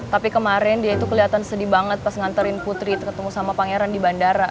tapi kemarin dia itu kelihatan sedih banget pas nganterin putri ketemu sama pangeran di bandara